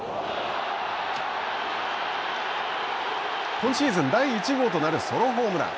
今シーズン第１号となるソロホームラン。